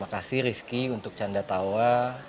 makasih rizky untuk canda tawa